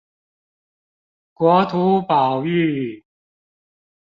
國土保育